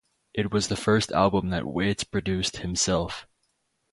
It was the first album that Waits produced himself.